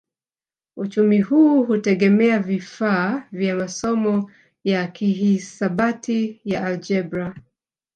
Uchumi huu hutegemea vifaa vya masomo ya kihisabati ya aljebra